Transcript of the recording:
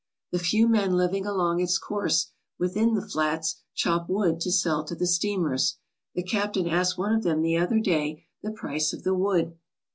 The few men living along its course within the flats chop wood to sell to the steamers. The captain asked one of them the other day the price of the wood.